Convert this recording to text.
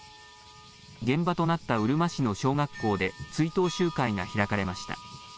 現場となったうるま市の小学校で追悼集会が行われました。